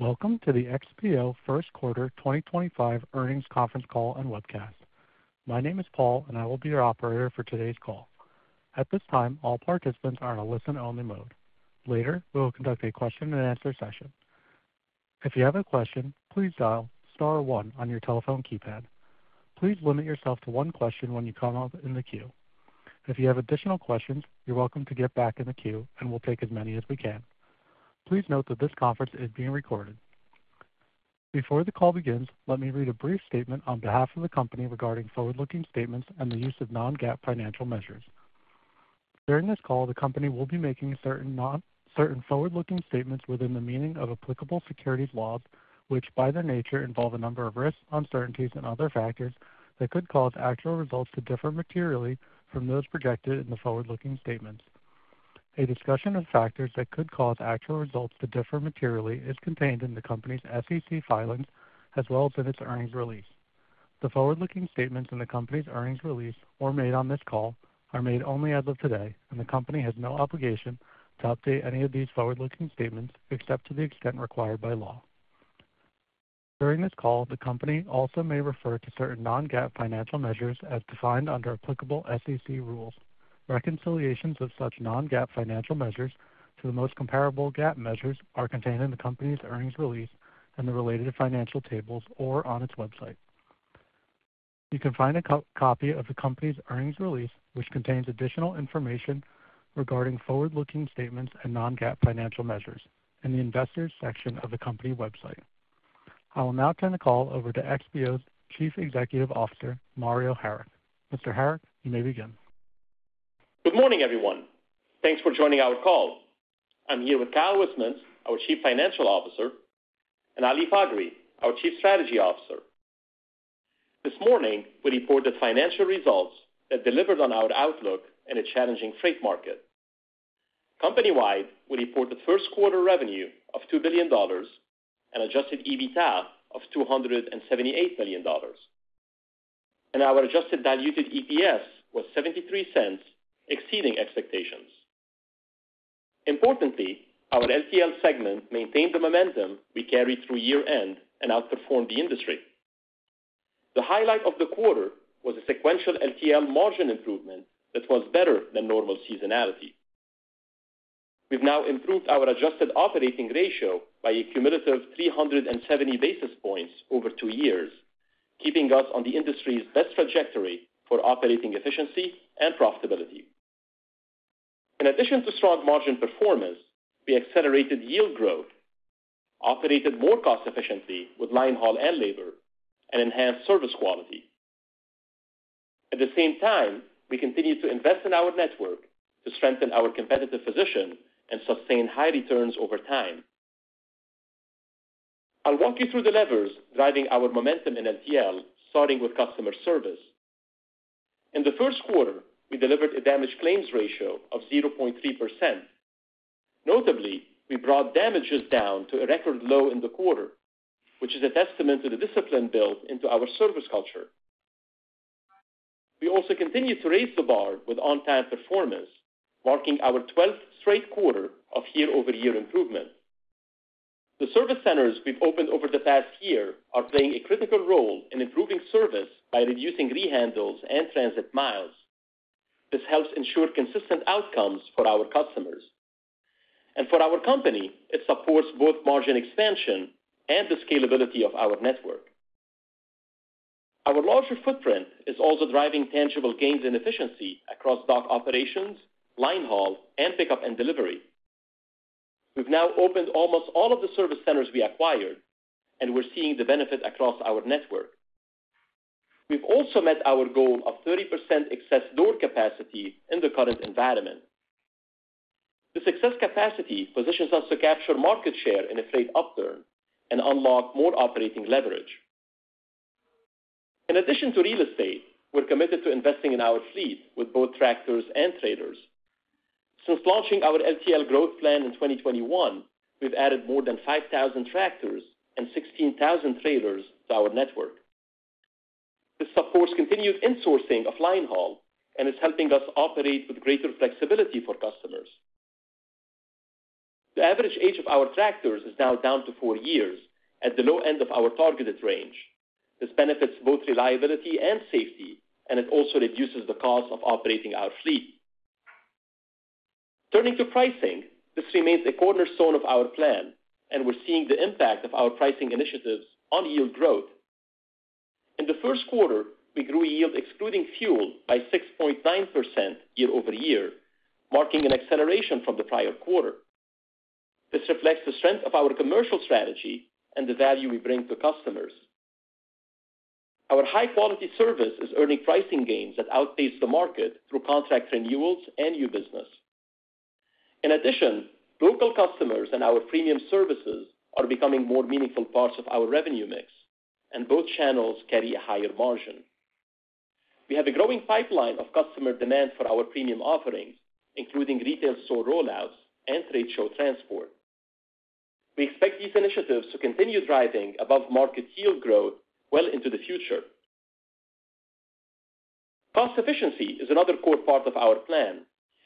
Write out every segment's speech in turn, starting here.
Welcome to the XPO First Quarter 2025 Earnings Conference call and webcast. My name is Paul, and I will be your operator for today's call. At this time, all participants are in a listen-only mode. Later, we will conduct a question-and-answer session. If you have a question, please dial star one on your telephone keypad. Please limit yourself to one question when you come up in the queue. If you have additional questions, you're welcome to get back in the queue, and we'll take as many as we can. Please note that this conference is being recorded. Before the call begins, let me read a brief statement on behalf of the company regarding forward-looking statements and the use of non-GAAP financial measures. During this call, the company will be making certain forward-looking statements within the meaning of applicable securities laws, which by their nature involve a number of risks, uncertainties, and other factors that could cause actual results to differ materially from those projected in the forward-looking statements. A discussion of factors that could cause actual results to differ materially is contained in the company's SEC filings as well as in its earnings release. The forward-looking statements in the company's earnings release or made on this call are made only as of today, and the company has no obligation to update any of these forward-looking statements except to the extent required by law. During this call, the company also may refer to certain non-GAAP financial measures as defined under applicable SEC rules. Reconciliations of such non-GAAP financial measures to the most comparable GAAP measures are contained in the company's earnings release and the related financial tables or on its website. You can find a copy of the company's earnings release, which contains additional information regarding forward-looking statements and non-GAAP financial measures, in the investors' section of the company website. I will now turn the call over to XPO's Chief Executive Officer, Mario Harik. Mr. Harik, you may begin. Good morning, everyone. Thanks for joining our call. I'm here with Kyle Wismans, our Chief Financial Officer; and Ali Faghri, our Chief Strategy Officer. This morning, we reported financial results that delivered on our outlook in a challenging freight market. Company-wide, we reported first quarter revenue of $2 billion and adjusted EBITDA of $278 million. Our adjusted diluted EPS was $0.73, exceeding expectations. Importantly, our LTL segment maintained the momentum we carried through year end and outperformed the industry. The highlight of the quarter was a sequential LTL margin improvement that was better than normal seasonality. We have now improved our adjusted operating ratio by a cumulative 370 basis points over two years, keeping us on the industry's best trajectory for operating efficiency and profitability. In addition to strong margin performance, we accelerated yield growth, operated more cost-efficiently with linehaul and labor, and enhanced service quality. At the same time, we continue to invest in our network to strengthen our competitive position and sustain high returns over time. I'll walk you through the levers driving our momentum in LTL, starting with customer service. In the first quarter, we delivered a damage claims ratio of 0.3%. Notably, we brought damages down to a record low in the quarter, which is a testament to the discipline built into our service culture. We also continue to raise the bar with on-time performance, marking our 12th straight quarter of year-over-year improvement. The service centers we've opened over the past year are playing a critical role in improving service by reducing rehandles and transit miles. This helps ensure consistent outcomes for our customers. For our company, it supports both margin expansion and the scalability of our network. Our larger footprint is also driving tangible gains in efficiency across dock operations, linehaul, and pickup and delivery. We've now opened almost all of the service centers we acquired, and we're seeing the benefit across our network. We've also met our goal of 30% excess door capacity in the current environment. This excess capacity positions us to capture market share in a freight upturn and unlock more operating leverage. In addition to real estate, we're committed to investing in our fleet with both tractors and trailers. Since launching our LTL growth plan in 2021, we've added more than 5,000 tractors and 16,000 trailers to our network. This supports continued insourcing of linehaul and is helping us operate with greater flexibility for customers. The average age of our tractors is now down to four years at the low end of our targeted range. This benefits both reliability and safety, and it also reduces the cost of operating our fleet. Turning to pricing, this remains a cornerstone of our plan, and we're seeing the impact of our pricing initiatives on yield growth. In the first quarter, we grew yield excluding fuel by 6.9% year-over-year, marking an acceleration from the prior quarter. This reflects the strength of our commercial strategy and the value we bring to customers. Our high-quality service is earning pricing gains that outpaces the market through contract renewals and new business. In addition, local customers and our premium services are becoming more meaningful parts of our revenue mix, and both channels carry a higher margin. We have a growing pipeline of customer demand for our premium offerings, including retail store rollouts and trade show transport. We expect these initiatives to continue driving above-market yield growth well into the future. Cost efficiency is another core part of our plan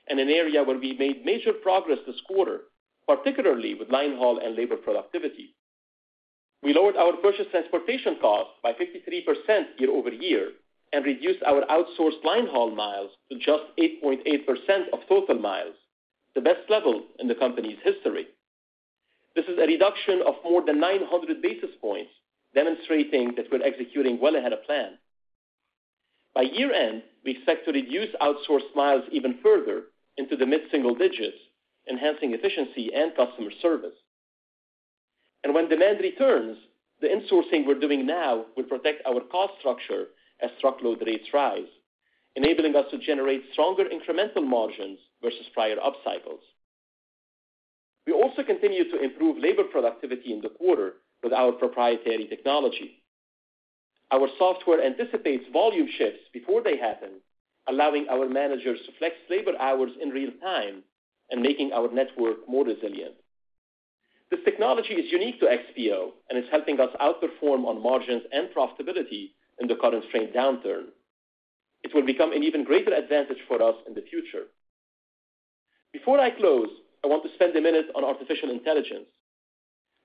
and an area where we made major progress this quarter, particularly with linehaul and labor productivity. We lowered our purchased transportation cost by 53% year-over-year and reduced our outsourced linehaul miles to just 8.8% of total miles, the best level in the company's history. This is a reduction of more than 900 basis points, demonstrating that we're executing well ahead of plan. By year-end, we expect to reduce outsourced miles even further into the mid-single digits, enhancing efficiency and customer service. When demand returns, the insourcing we're doing now will protect our cost structure as truckload rates rise, enabling us to generate stronger incremental margins versus prior upcycles. We also continue to improve labor productivity in the quarter with our proprietary technology. Our software anticipates volume shifts before they happen, allowing our managers to flex labor hours in real time and making our network more resilient. This technology is unique to XPO and is helping us outperform on margins and profitability in the current strained downturn. It will become an even greater advantage for us in the future. Before I close, I want to spend a minute on artificial intelligence.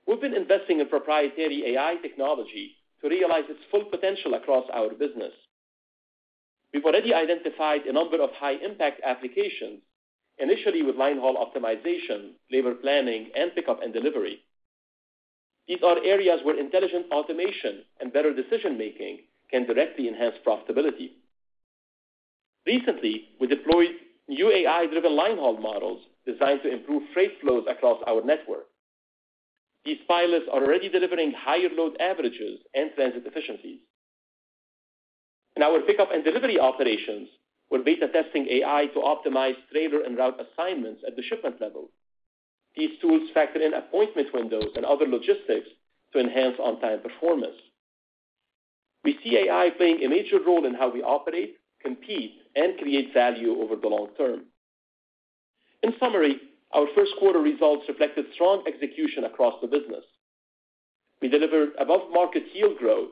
We've been investing in proprietary AI technology to realize its full potential across our business. We've already identified a number of high-impact applications, initially with linehaul optimization, labor planning, and pickup and delivery. These are areas where intelligent automation and better decision-making can directly enhance profitability. Recently, we deployed new AI-driven linehaul models designed to improve freight flows across our network. These pilots are already delivering higher load averages and transit efficiencies. In our pickup and delivery operations, we're beta-testing AI to optimize trailer and route assignments at the shipment level. These tools factor in appointment windows and other logistics to enhance on-time performance. We see AI playing a major role in how we operate, compete, and create value over the long term. In summary, our first quarter results reflected strong execution across the business. We delivered above-market yield growth,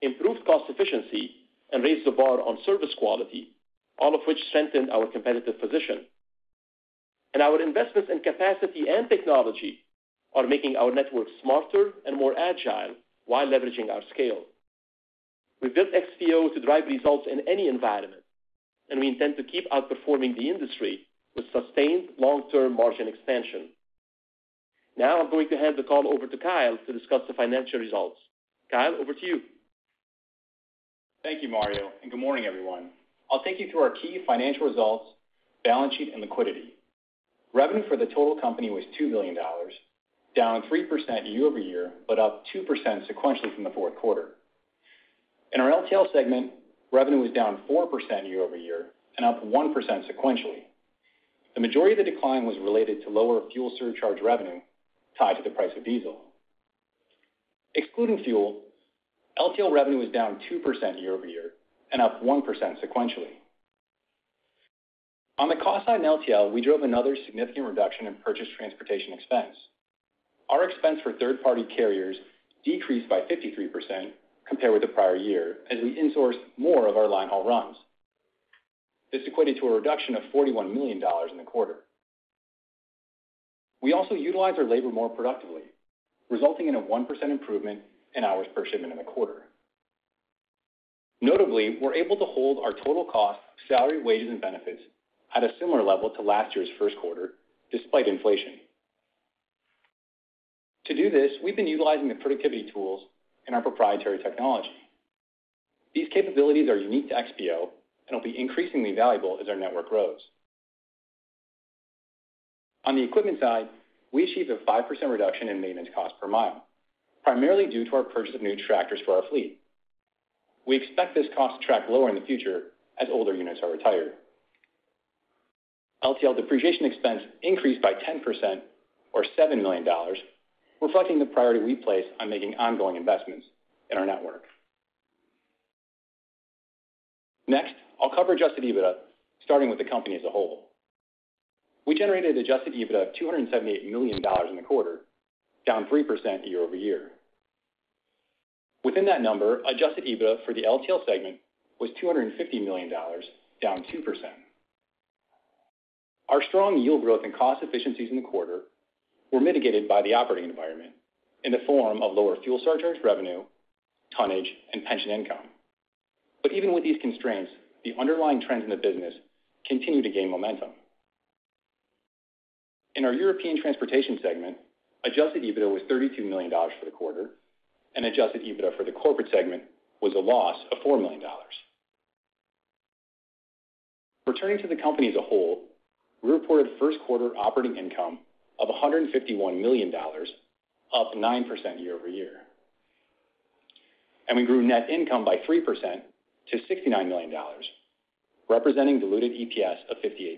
improved cost efficiency, and raised the bar on service quality, all of which strengthened our competitive position. Our investments in capacity and technology are making our network smarter and more agile while leveraging our scale. We built XPO to drive results in any environment, and we intend to keep outperforming the industry with sustained long-term margin expansion. Now, I'm going to hand the call over to Kyle to discuss the financial results. Kyle, over to you. Thank you, Mario, and good morning, everyone. I'll take you through our key financial results, balance sheet, and liquidity. Revenue for the total company was $2 billion, down 3% year-over-year but up 2% sequentially from the fourth quarter. In our LTL segment, revenue was down 4% year-over-year and up 1% sequentially. The majority of the decline was related to lower fuel surcharge revenue tied to the price of diesel. Excluding fuel, LTL revenue was down 2% year-over-year and up 1% sequentially. On the cost side in LTL, we drove another significant reduction in purchased transportation expense. Our expense for third-party carriers decreased by 53% compared with the prior year as we insourced more of our linehaul runs. This equated to a reduction of $41 million in the quarter. We also utilized our labor more productively, resulting in a 1% improvement in hours per shipment in the quarter. Notably, we're able to hold our total cost, salary, wages, and benefits at a similar level to last year's first quarter, despite inflation. To do this, we've been utilizing the productivity tools and our proprietary technology. These capabilities are unique to XPO and will be increasingly valuable as our network grows. On the equipment side, we achieved a 5% reduction in maintenance cost per mile, primarily due to our purchase of new tractors for our fleet. We expect this cost to track lower in the future as older units are retired. LTL depreciation expense increased by 10%, or $7 million, reflecting the priority we place on making ongoing investments in our network. Next, I'll cover adjusted EBITDA, starting with the company as a whole. We generated adjusted EBITDA of $278 million in the quarter, down 3% year-over-year. Within that number, adjusted EBITDA for the LTL segment was $250 million, down 2%. Our strong yield growth and cost efficiencies in the quarter were mitigated by the operating environment in the form of lower fuel surcharge revenue, tonnage, and pension income. Even with these constraints, the underlying trends in the business continue to gain momentum. In our European transportation segment, adjusted EBITDA was $32 million for the quarter, and adjusted EBITDA for the corporate segment was a loss of $4 million. Returning to the company as a whole, we reported first-quarter operating income of $151 million, up 9% year-over-year. We grew net income by 3% to $69 million, representing diluted EPS of $0.58.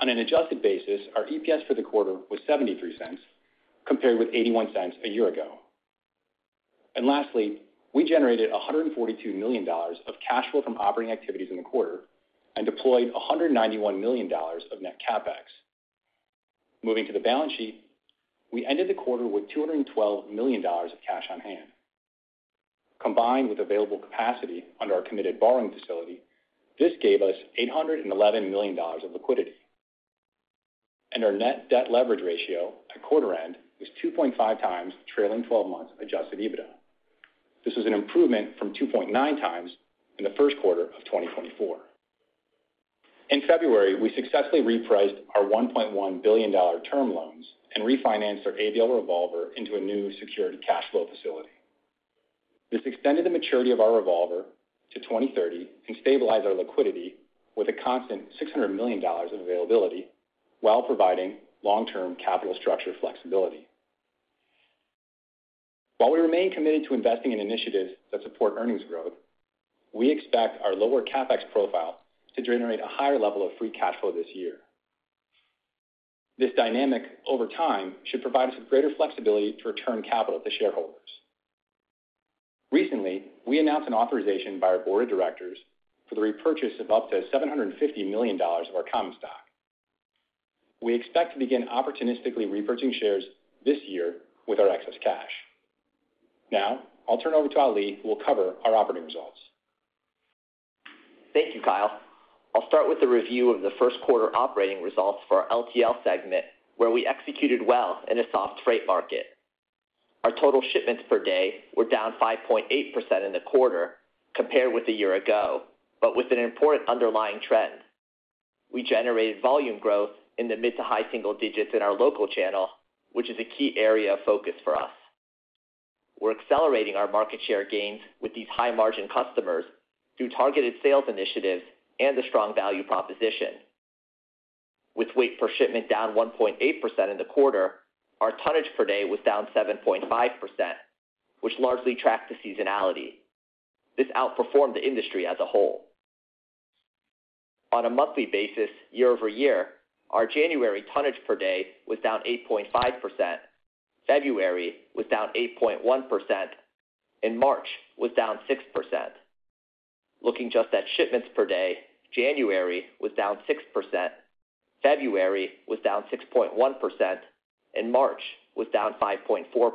On an adjusted basis, our EPS for the quarter was $0.73, compared with $0.81 a year ago. Lastly, we generated $142 million of cash flow from operating activities in the quarter and deployed $191 million of net CapEx. Moving to the balance sheet, we ended the quarter with $212 million of cash on hand. Combined with available capacity under our committed borrowing facility, this gave us $811 million of liquidity. Our net debt leverage ratio at quarter-end was 2.5 times trailing 12 months adjusted EBITDA. This was an improvement from 2.9x in the first quarter of 2024. In February, we successfully repriced our $1.1 billion term loans and refinanced our ABL revolver into a new secured cash flow facility. This extended the maturity of our revolver to 2030 and stabilized our liquidity with a constant $600 million of availability while providing long-term capital structure flexibility. While we remain committed to investing in initiatives that support earnings growth, we expect our lower CapEx profile to generate a higher level of free cash flow this year. This dynamic over time should provide us with greater flexibility to return capital to shareholders. Recently, we announced an authorization by our board of directors for the repurchase of up to $750 million of our common stock. We expect to begin opportunistically repurchasing shares this year with our excess cash. Now, I'll turn over to Ali, who will cover our operating results. Thank you, Kyle. I'll start with the review of the first quarter operating results for our LTL segment, where we executed well in a soft freight market. Our total shipments per day were down 5.8% in the quarter compared with the year ago, but with an important underlying trend. We generated volume growth in the mid-to-high single digits in our local channel, which is a key area of focus for us. We're accelerating our market share gains with these high-margin customers through targeted sales initiatives and a strong value proposition. With weight per shipment down 1.8% in the quarter, our tonnage per day was down 7.5%, which largely tracked the seasonality. This outperformed the industry as a whole. On a monthly basis, year-over-year, our January tonnage per day was down 8.5%, February was down 8.1%, and March was down 6%. Looking just at shipments per day, January was down 6%, February was down 6.1%, and March was down 5.4%.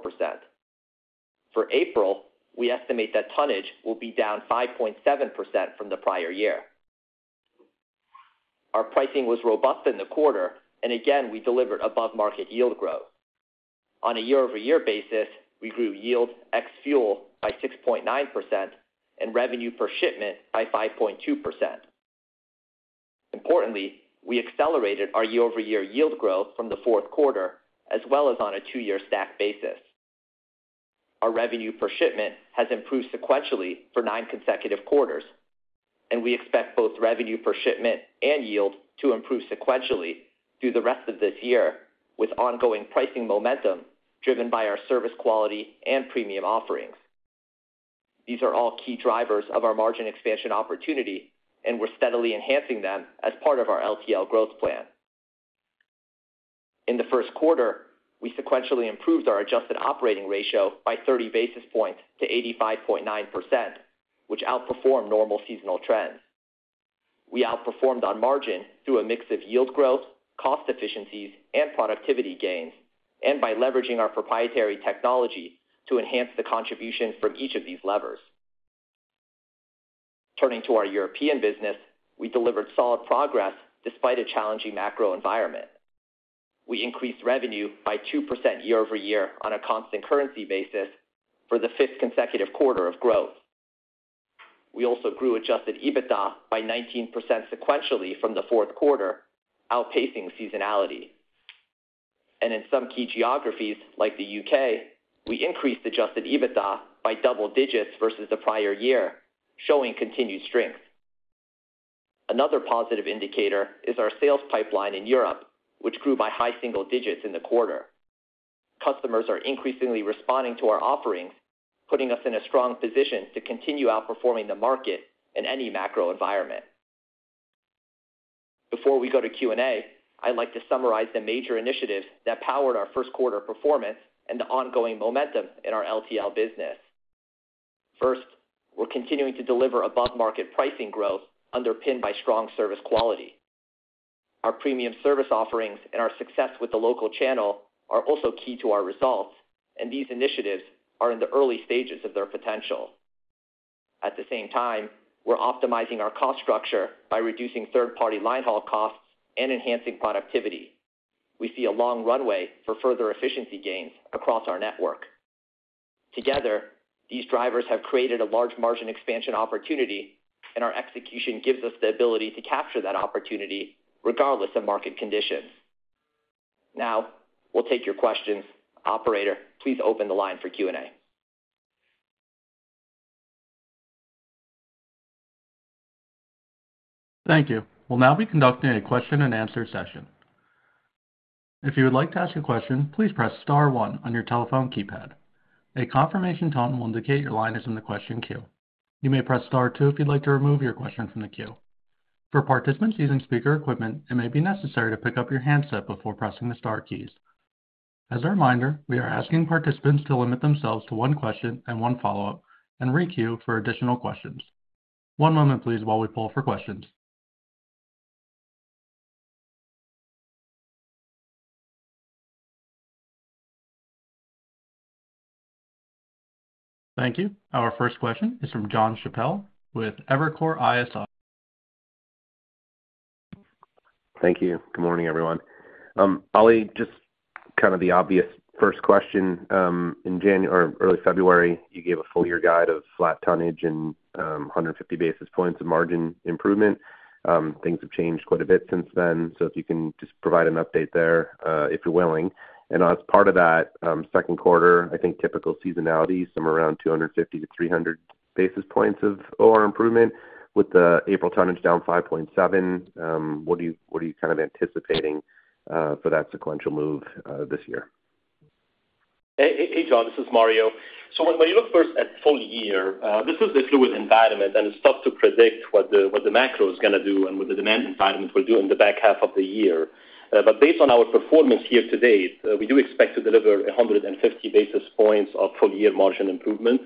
For April, we estimate that tonnage will be down 5.7% from the prior year. Our pricing was robust in the quarter, and again, we delivered above-market yield growth. On a year-over-year basis, we grew yield ex-fuel by 6.9% and revenue per shipment by 5.2%. Importantly, we accelerated our year-over-year yield growth from the fourth quarter, as well as on a two-year stack basis. Our revenue per shipment has improved sequentially for nine consecutive quarters, and we expect both revenue per shipment and yield to improve sequentially through the rest of this year, with ongoing pricing momentum driven by our service quality and premium offerings. These are all key drivers of our margin expansion opportunity, and we're steadily enhancing them as part of our LTL growth plan. In the first quarter, we sequentially improved our adjusted operating ratio by 30 basis points to 85.9%, which outperformed normal seasonal trends. We outperformed on margin through a mix of yield growth, cost efficiencies, and productivity gains, and by leveraging our proprietary technology to enhance the contribution from each of these levers. Turning to our European business, we delivered solid progress despite a challenging macro environment. We increased revenue by 2% year-over-year on a constant currency basis for the fifth consecutive quarter of growth. We also grew adjusted EBITDA by 19% sequentially from the fourth quarter, outpacing seasonality. In some key geographies, like the U.K., we increased adjusted EBITDA by double digits versus the prior year, showing continued strength. Another positive indicator is our sales pipeline in Europe, which grew by high single digits in the quarter. Customers are increasingly responding to our offerings, putting us in a strong position to continue outperforming the market and any macro environment. Before we go to Q&A, I'd like to summarize the major initiatives that powered our first quarter performance and the ongoing momentum in our LTL business. First, we're continuing to deliver above-market pricing growth underpinned by strong service quality. Our premium service offerings and our success with the local channel are also key to our results, and these initiatives are in the early stages of their potential. At the same time, we're optimizing our cost structure by reducing third-party linehaul costs and enhancing productivity. We see a long runway for further efficiency gains across our network. Together, these drivers have created a large margin expansion opportunity, and our execution gives us the ability to capture that opportunity regardless of market conditions. Now, we'll take your questions. Operator, please open the line for Q&A. Thank you. We'll now be conducting a question-and-answer session. If you would like to ask a question, please press star one on your telephone keypad. A confirmation tone will indicate your line is in the question queue. You may press star two if you'd like to remove your question from the queue. For participants using speaker equipment, it may be necessary to pick up your handset before pressing the star keys. As a reminder, we are asking participants to limit themselves to one question and one follow-up and re-queue for additional questions. One moment, please, while we pull for questions. Thank you. Our first question is from John Chappell with Evercore ISI. Thank you. Good morning, everyone. Ali, just kind of the obvious first question. In January or early February, you gave a full-year guide of flat tonnage and 150 basis points of margin improvement. Things have changed quite a bit since then, so if you can just provide an update there if you're willing. As part of that second quarter, I think typical seasonality, somewhere around 250-300 basis points of OR improvement, with the April tonnage down 5.7%. What are you kind of anticipating for that sequential move this year? Hey, John, this is Mario. When you look first at full year, this is the fluid environment, and it's tough to predict what the macro is going to do and what the demand environment will do in the back half of the year. Based on our performance here to date, we do expect to deliver 150 basis points of full-year margin improvement.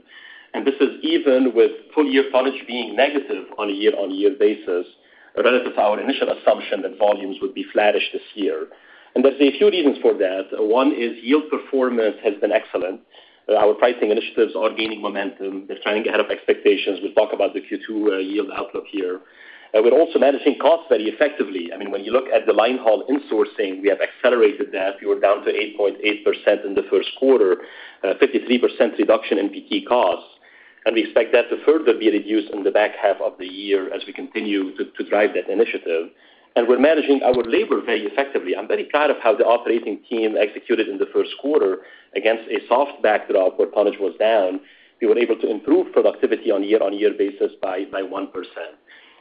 This is even with full-year tonnage being negative on a year-on-year basis relative to our initial assumption that volumes would be flattish this year. There are a few reasons for that. One is yield performance has been excellent. Our pricing initiatives are gaining momentum. They're trying to have expectations. We'll talk about the Q2 yield outlook here. We're also managing costs very effectively. I mean, when you look at the linehaul insourcing, we have accelerated that. We were down to 8.8% in the first quarter, a 53% reduction in PT costs. We expect that to further be reduced in the back half of the year as we continue to drive that initiative. We are managing our labor very effectively. I'm very proud of how the operating team executed in the first quarter against a soft backdrop where tonnage was down. We were able to improve productivity on a year-on-year basis by 1%.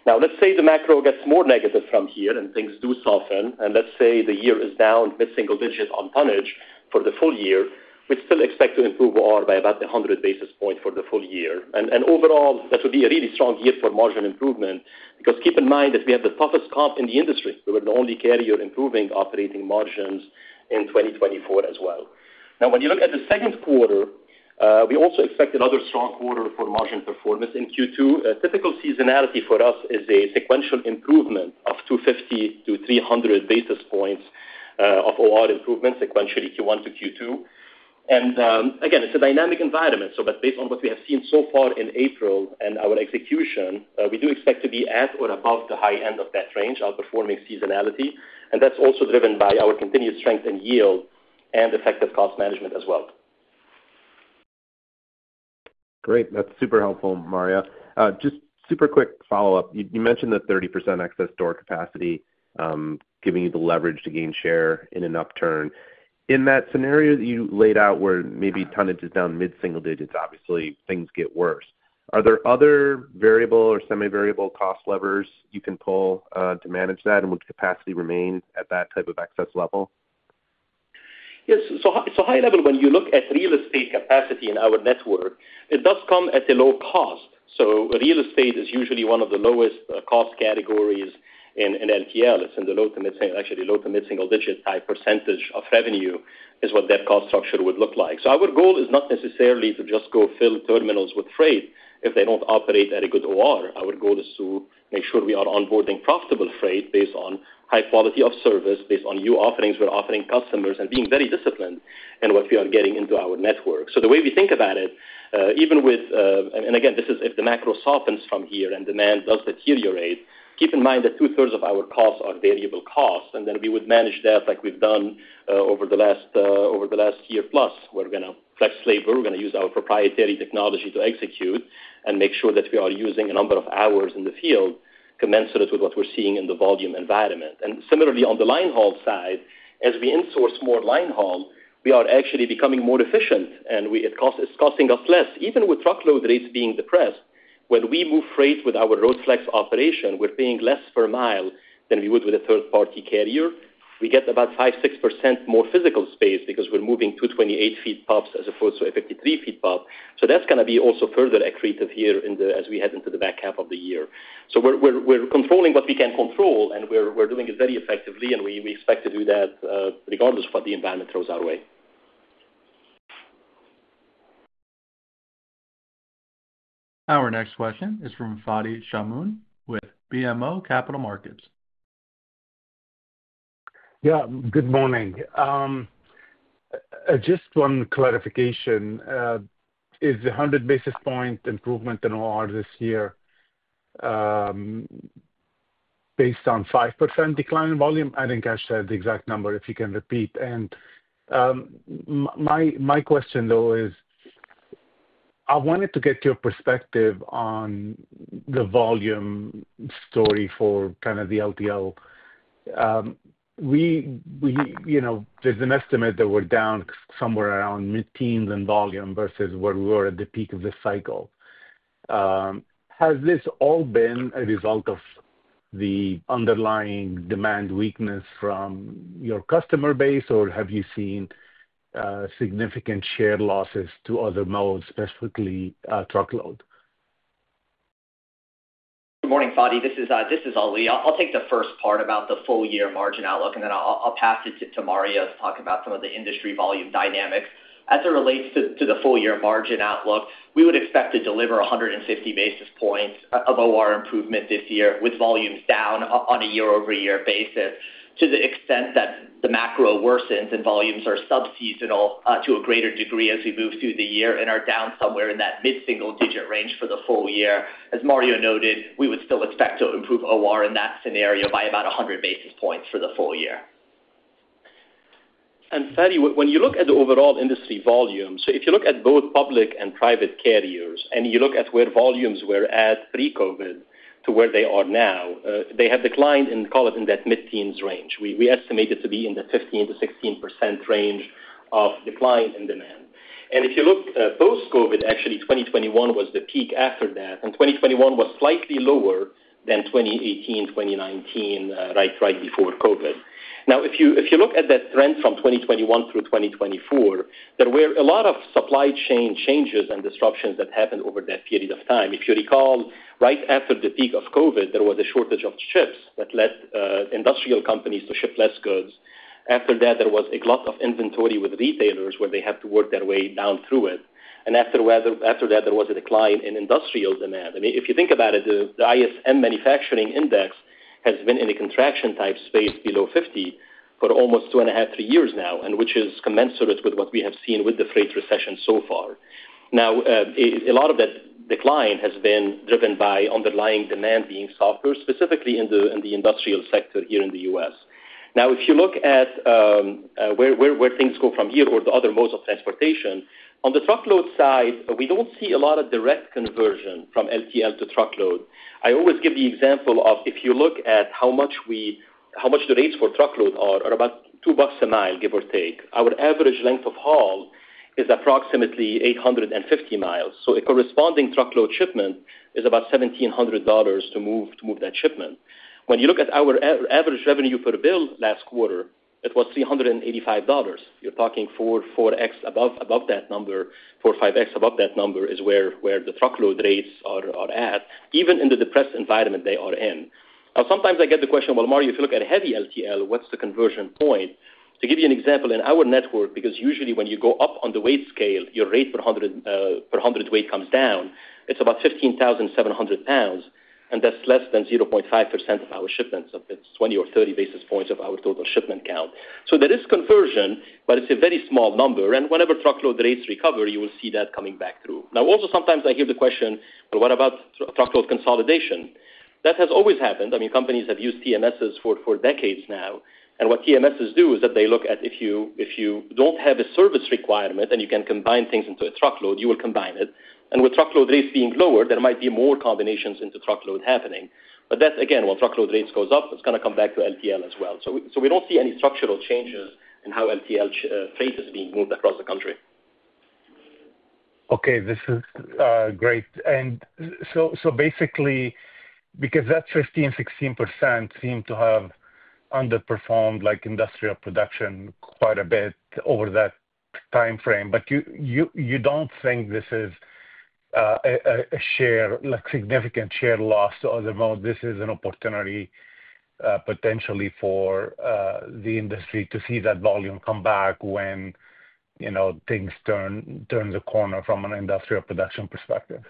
Now, let's say the macro gets more negative from here and things do soften, and let's say the year is down mid-single digit on tonnage for the full year, we'd still expect to improve OR by about 100 basis points for the full year. Overall, that would be a really strong year for margin improvement because keep in mind that we have the toughest comp in the industry. We were the only carrier improving operating margins in 2024 as well. Now, when you look at the second quarter, we also expected another strong quarter for margin performance in Q2. Typical seasonality for us is a sequential improvement of 250-300 basis points of OR improvement, sequentially Q1 to Q2. It is a dynamic environment. Based on what we have seen so far in April and our execution, we do expect to be at or above the high end of that range, outperforming seasonality. That is also driven by our continued strength in yield and effective cost management as well. Great. That's super helpful, Mario. Just super quick follow-up. You mentioned the 30% excess door capacity giving you the leverage to gain share in an upturn. In that scenario that you laid out where maybe tonnage is down mid-single digits, obviously, things get worse. Are there other variable or semi-variable cost levers you can pull to manage that, and would capacity remain at that type of excess level? Yes. High level, when you look at real estate capacity in our network, it does come at a low cost. Real estate is usually one of the lowest cost categories in LTL. It is in the low to mid-single digit % of revenue is what that cost structure would look like. Our goal is not necessarily to just go fill terminals with freight if they do not operate at a good OR. Our goal is to make sure we are onboarding profitable freight based on high quality of service, based on new offerings we are offering customers, and being very disciplined in what we are getting into our network. The way we think about it, even with, and again, this is if the macro softens from here and demand does deteriorate, keep in mind that two-thirds of our costs are variable costs, and then we would manage that like we've done over the last year plus. We're going to flex labor. We're going to use our proprietary technology to execute and make sure that we are using a number of hours in the field commensurate with what we're seeing in the volume environment. Similarly, on the linehaul side, as we insource more linehaul, we are actually becoming more efficient, and it's costing us less. Even with truckload rates being depressed, when we move freight with our road fleet operation, we're paying less per mile than we would with a third-party carrier. We get about 5%-6% more physical space because we're moving two 28-ft pups as opposed to a 53-ft pup. That's going to be also further accretive here as we head into the back half of the year. We're controlling what we can control, and we're doing it very effectively, and we expect to do that regardless of what the environment throws our way. Our next question is from Fadi Chamoun with BMO Capital Markets. Yeah, good morning. Just one clarification. Is the 100 basis point improvement in OR this year based on 5% decline in volume? I did not catch the exact number if you can repeat. My question, though, is I wanted to get your perspective on the volume story for kind of the LTL. There is an estimate that we are down somewhere around mid-teens in volume versus where we were at the peak of the cycle. Has this all been a result of the underlying demand weakness from your customer base, or have you seen significant share losses to other modes, specifically truckload? Good morning, Fadi. This is Ali. I'll take the first part about the full-year margin outlook, and then I'll pass it to Mario to talk about some of the industry volume dynamics. As it relates to the full-year margin outlook, we would expect to deliver 150 basis points of OR improvement this year with volumes down on a year-over-year basis to the extent that the macro worsens and volumes are sub-seasonal to a greater degree as we move through the year and are down somewhere in that mid-single digit range for the full year. As Mario noted, we would still expect to improve OR in that scenario by about 100 basis points for the full year. Fadi, when you look at the overall industry volume, if you look at both public and private carriers and you look at where volumes were at pre-COVID to where they are now, they have declined in, call it, in that mid-teens range. We estimate it to be in the 15%-16% range of decline in demand. If you look post-COVID, actually, 2021 was the peak after that, and 2021 was slightly lower than 2018-2019, right before COVID. If you look at that trend from 2021 through 2024, there were a lot of supply chain changes and disruptions that happened over that period of time. If you recall, right after the peak of COVID, there was a shortage of chips that led industrial companies to ship less goods. After that, there was a lot of inventory with retailers where they had to work their way down through it. After that, there was a decline in industrial demand. I mean, if you think about it, the ISM Manufacturing Index has been in a contraction-type space below 50 for almost two and a half, three years now, which is commensurate with what we have seen with the freight recession so far. Now, a lot of that decline has been driven by underlying demand being softer, specifically in the industrial sector here in the U.S. Now, if you look at where things go from here or the other modes of transportation, on the truckload side, we do not see a lot of direct conversion from LTL to truckload. I always give the example of if you look at how much the rates for truckload are, are about $2 a mile, give or take. Our average length of haul is approximately 850 mi. So a corresponding truckload shipment is about $1,700 to move that shipment. When you look at our average revenue per bill last quarter, it was $385. You're talking 4x above that number, 4x-5x above that number is where the truckload rates are at, even in the depressed environment they are in. Now, sometimes I get the question, well, Mario, if you look at a heavy LTL, what's the conversion point? To give you an example, in our network, because usually when you go up on the weight scale, your rate per hundred weight comes down, it's about 15,700 lbs, and that's less than 0.5% of our shipments. It's 20 or 30 basis points of our total shipment count. There is conversion, but it's a very small number. Whenever truckload rates recover, you will see that coming back through. Also, sometimes I hear the question, well, what about truckload consolidation? That has always happened. I mean, companies have used TMSs for decades now. What TMSs do is that they look at if you don't have a service requirement and you can combine things into a truckload, you will combine it. With truckload rates being lower, there might be more combinations into truckload happening. That, again, when truckload rates goes up, it's going to come back to LTL as well. We don't see any structural changes in how LTL freight is being moved across the country. Okay, this is great. Basically, because that 15%-16% seem to have underperformed industrial production quite a bit over that time frame, but you do not think this is a significant share loss to other modes? This is an opportunity potentially for the industry to see that volume come back when things turn the corner from an industrial production perspective?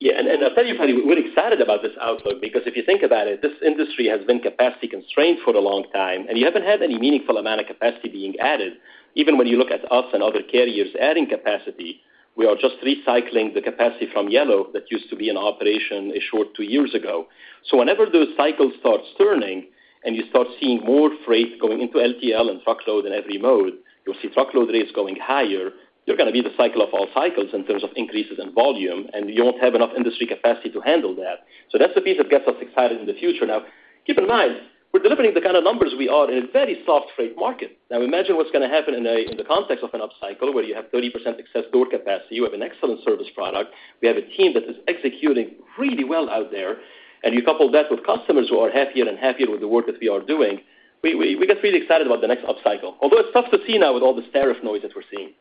Yeah. I'll tell you, Fadi, we're excited about this outlook because if you think about it, this industry has been capacity constrained for a long time, and you haven't had any meaningful amount of capacity being added. Even when you look at us and other carriers adding capacity, we are just recycling the capacity from Yellow that used to be in operation a short two years ago. Whenever those cycles start turning and you start seeing more freight going into LTL and truckload in every mode, you'll see truckload rates going higher. You're going to be the cycle of all cycles in terms of increases in volume, and you won't have enough industry capacity to handle that. That's the piece that gets us excited in the future. Now, keep in mind, we're delivering the kind of numbers we are in a very soft freight market. Now, imagine what's going to happen in the context of an upcycle where you have 30% excess door capacity. You have an excellent service product. We have a team that is executing really well out there. You couple that with customers who are happier and happier with the work that we are doing, we get really excited about the next upcycle. Although it's tough to see now with all this tariff noise that we're seeing.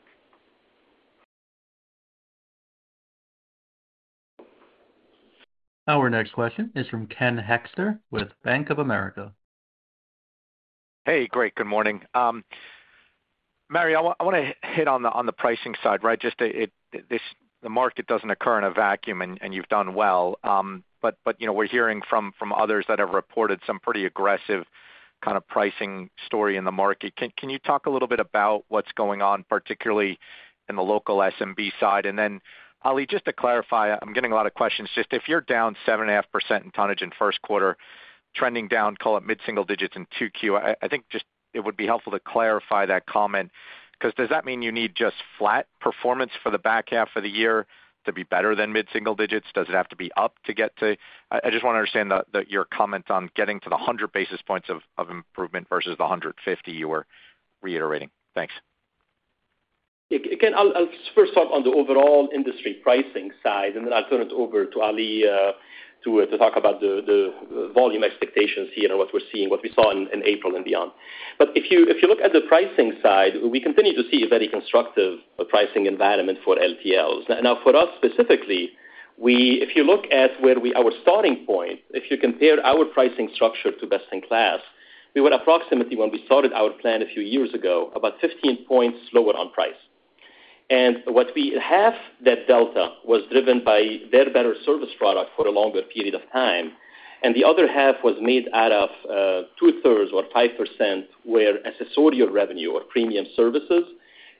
Our next question is from Ken Hoexter with Bank of America. Hey, great, good morning. Mario, I want to hit on the pricing side, right? The market doesn't occur in a vacuum, and you've done well. We're hearing from others that have reported some pretty aggressive kind of pricing story in the market. Can you talk a little bit about what's going on, particularly in the local SMB side? Ali, just to clarify, I'm getting a lot of questions. If you're down 7.5% in tonnage in first quarter, trending down, call it mid-single digits in Q2, I think it would be helpful to clarify that comment because does that mean you need just flat performance for the back half of the year to be better than mid-single digits? Does it have to be up to get to? I just want to understand your comment on getting to the 100 basis points of improvement versus the 150 you were reiterating. Thanks. Again, I'll first talk on the overall industry pricing side, and then I'll turn it over to Ali to talk about the volume expectations here and what we're seeing, what we saw in April and beyond. If you look at the pricing side, we continue to see a very constructive pricing environment for LTL. Now, for us specifically, if you look at where our starting point, if you compare our pricing structure to best in class, we were approximately, when we started our plan a few years ago, about 15 percentage points lower on price. What we have, that delta was driven by their better service product for a longer period of time. The other half was made out of 2/3 or 5% were accessorial revenue or premium services,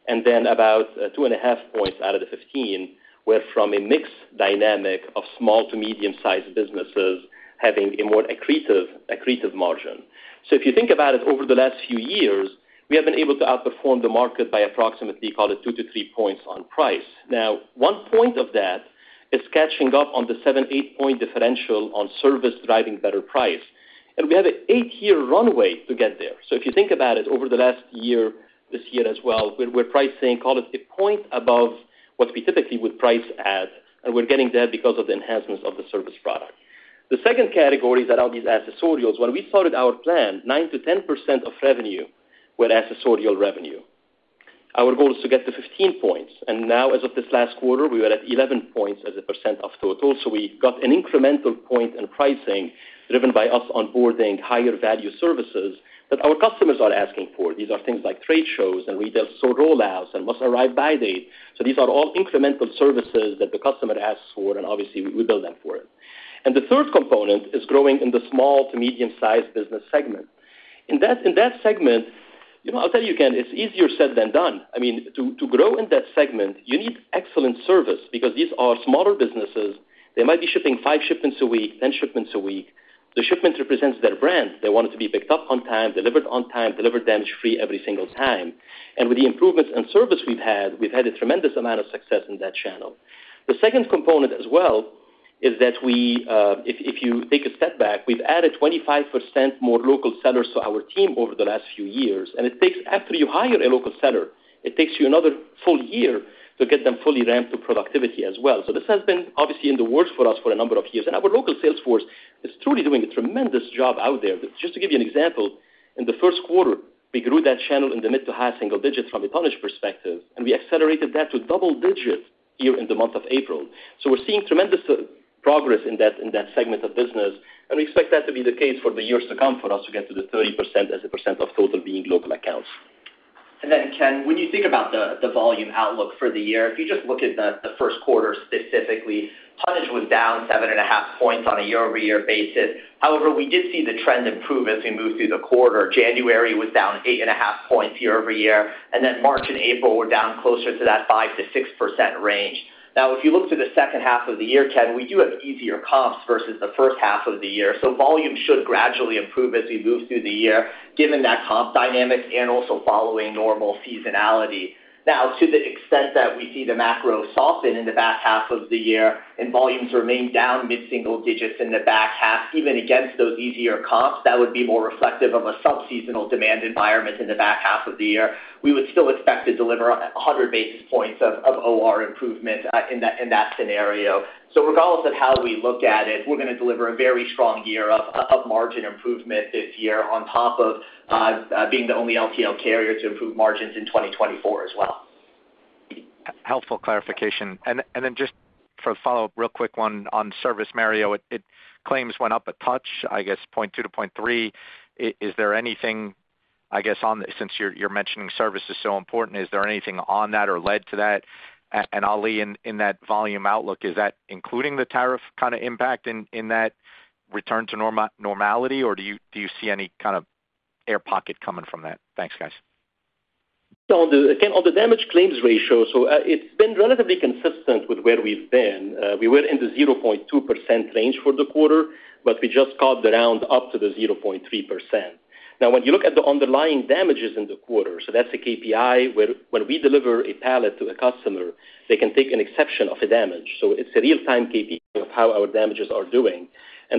and then about 2.5 points out of the 15 were from a mixed dynamic of small to medium-sized businesses having a more accretive margin. If you think about it, over the last few years, we have been able to outperform the market by approximately, call it, two to three points on price. One point of that is catching up on the 7-8 point differential on service driving better price. We have an eight-year runway to get there. If you think about it, over the last year, this year as well, we are pricing, call it, a point above what we typically would price at, and we are getting there because of the enhancements of the service product. The second category is around these accessorials. When we started our plan, 9%-10% of revenue were accessorial revenue. Our goal is to get to 15 percentage points. Now, as of this last quarter, we were at 11 percentage points as a percent of total. We got an incremental point in pricing driven by us onboarding higher value services that our customers are asking for. These are things like trade shows and retail store rollouts and must-arrive by date. These are all incremental services that the customer asks for, and obviously, we bill them for it. The third component is growing in the small to medium-sized business segment. In that segment, I'll tell you, Ken, it's easier said than done. I mean, to grow in that segment, you need excellent service because these are smaller businesses. They might be shipping five shipments a week, ten shipments a week. The shipment represents their brand. They want it to be picked up on time, delivered on time, delivered damage-free every single time. With the improvements in service we have had, we have had a tremendous amount of success in that channel. The second component as well is that if you take a step back, we have added 25% more local sellers to our team over the last few years. It takes, after you hire a local seller, another full year to get them fully ramped to productivity as well. This has been obviously in the works for us for a number of years. Our local salesforce is truly doing a tremendous job out there. Just to give you an example, in the first quarter, we grew that channel in the mid to high single digits from a tonnage perspective, and we accelerated that to double digits here in the month of April. We are seeing tremendous progress in that segment of business, and we expect that to be the case for the years to come for us to get to the 30% as a percent of total being local accounts. Ken, when you think about the volume outlook for the year, if you just look at the first quarter specifically, tonnage was down 7.5 points on a year-over-year basis. However, we did see the trend improve as we moved through the quarter. January was down 8.5 percentage points year-over-year, and March and April were down closer to that 5%-6% range. Now, if you look to the second half of the year, Ken, we do have easier comps versus the first half of the year. Volume should gradually improve as we move through the year given that comp dynamic and also following normal seasonality. To the extent that we see the macro soften in the back half of the year and volumes remain down mid-single digits in the back half, even against those easier comps, that would be more reflective of a sub-seasonal demand environment in the back half of the year. We would still expect to deliver 100 basis points of OR improvement in that scenario. Regardless of how we look at it, we're going to deliver a very strong year of margin improvement this year on top of being the only LTL carrier to improve margins in 2024 as well. Helpful clarification. For a follow-up, real quick one on service, Mario, claims went up a touch, I guess, 0.2%-0.3%. Is there anything, I guess, since you're mentioning service is so important, is there anything on that or led to that? Ali, in that volume outlook, is that including the tariff kind of impact in that return to normality, or do you see any kind of air pocket coming from that? Thanks, guys. On the damage claims ratio, it's been relatively consistent with where we've been. We were in the 0.2% range for the quarter, but we just called the round up to the 0.3%. When you look at the underlying damages in the quarter, that's a KPI where when we deliver a pallet to a customer, they can take an exception of a damage. It's a real-time KPI of how our damages are doing.